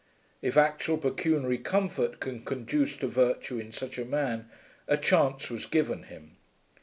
If actual pecuniary comfort can conduce to virtue in such a man, a chance was given him.